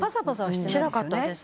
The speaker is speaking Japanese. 「してなかったです」